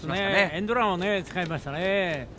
エンドランを使いましたね。